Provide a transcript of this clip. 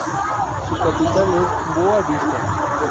Su capital es Boa Vista.